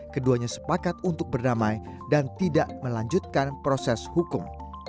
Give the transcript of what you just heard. keduanya sepakat untuk berdamai dan tidak melanjutkan proses hukum